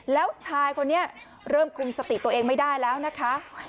แล้วชายคนนี้เริ่มคุมสติตัวเองไม่ได้แล้วนะคะ